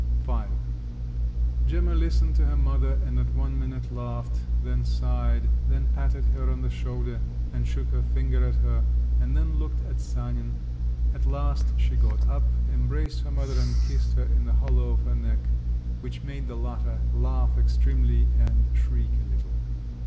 V Gemma listened to her mother, and at one minute laughed, then sighed, then patted her on the shoulder, and shook her finger at her, and then looked at Sanin; at last, she got up, embraced her mother and kissed her in the hollow of her neck, which made the latter laugh extremely and shriek a little.